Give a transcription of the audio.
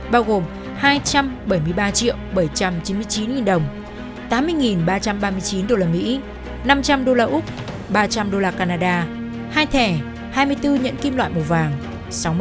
bao gồm hai trăm bảy mươi ba bảy trăm chín mươi chín đồng tám mươi ba trăm ba mươi chín usd năm trăm linh usd ba trăm linh đô la canada hai thẻ hai mươi bốn nhẫn kim loại màu vàng